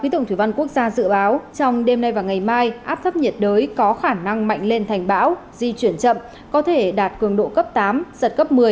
trong đêm nay và ngày mai áp thấp nhiệt đới có khả năng mạnh lên thành bão di chuyển chậm có thể đạt cường độ cấp tám sật cấp một mươi